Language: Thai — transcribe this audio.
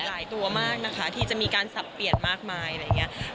ตัวมากนะคะที่จะมีการสับเปลี่ยนมากมายอะไรอย่างนี้